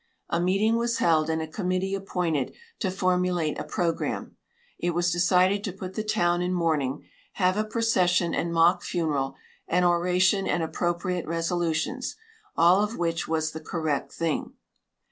A meeting was held, and a committee appointed to formulate a program. It was decided to put the town in mourning, have a procession and mock funeral, an oration and appropriate resolutions, all of which was the correct thing.